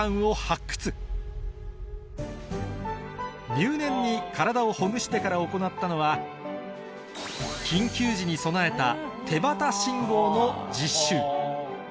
入念に体をほぐしてから行ったのは緊急時に備えた手旗信号の実習